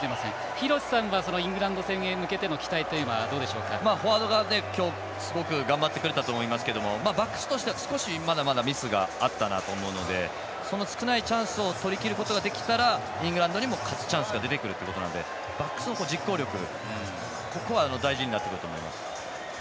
廣瀬さんはイングランド戦に向けてフォワードがすごく頑張ってくれたと思いますがバックスとしては少し、まだまだミスがあったなと思うのでその少ないチャンスを取りきることができたらイングランドにも勝つチャンスが出てくるということなのでバックスの実行力、ここは大事になってくると思います。